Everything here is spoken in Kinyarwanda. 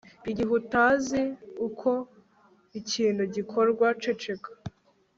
igihe utazi uko ikintu gikorwa, ceceka